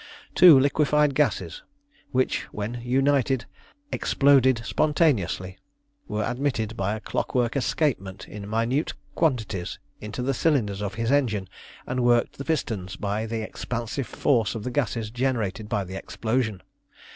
Two liquefied gases which, when united, exploded spontaneously were admitted by a clockwork escapement in minute quantities into the cylinders of his engine, and worked the pistons by the expansive force of the gases generated by the explosion.